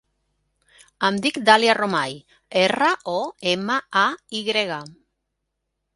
Em dic Dàlia Romay: erra, o, ema, a, i grega.